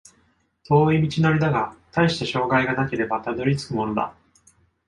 遠い道のりだが、たいした障害がなければたどり着くものだ